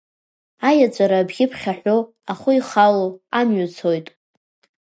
Аиаҵәара абӷьы ԥхьаҳәо, ахәы ихало, амҩа цоит.